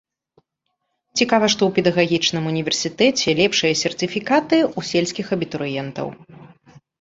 Цікава, што ў педагагічным універсітэце лепшыя сертыфікаты ў сельскіх абітурыентаў.